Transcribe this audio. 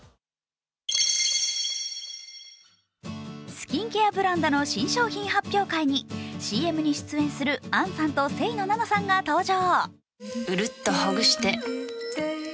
スキンケアブランドの新商品発表会にＣＭに出演する杏さんと清野菜名さんが登場。